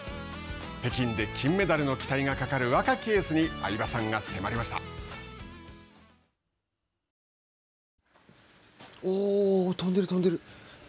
北京で金メダルの期待がかかる、若きエースにおお、飛んでる飛んでる。